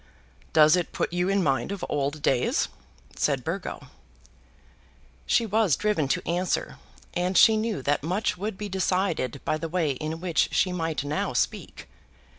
"Does it put you in mind of old days?" said Burgo. She was driven to answer, and she knew that much would be decided by the way in which she might now speak.